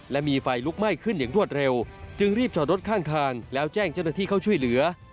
และมีไฟลุกไหม้ขึ้นอย่างรวดเร็วจึงรีบจอดรถข้างทางแล้วแจ้งเจ้าหน้าที่เข้าช่วยเหลือ